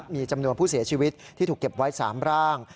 มีจำนวนผู้เสียชีวิตที่ถูกเก็บไว้๓ร่าง